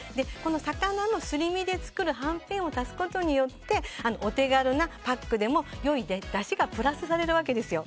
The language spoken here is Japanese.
魚のすり身で作るはんぺんを足すことによってお手軽なパックでも良いだしがプラスされるわけですよ。